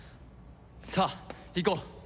さあ行こう！